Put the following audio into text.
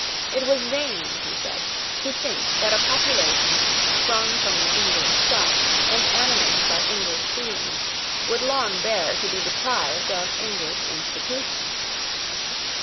It was vain, he said, to think that a population, sprung from the English stock, and animated by English feelings, would long bear to be deprived of English institutions.